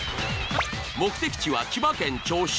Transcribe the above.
目的地は千葉県銚子。